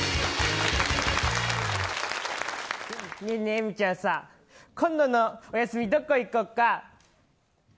えみちゃんさ今度のお休み、どこ行こうか。